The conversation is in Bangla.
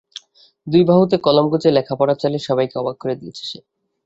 দুই বাহুতে কলম গুঁজে লেখাপড়া চালিয়ে সবাইকে অবাক করে দিয়েছে সে।